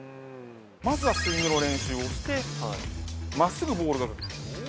まずはスイングの練習をして真っすぐボールが。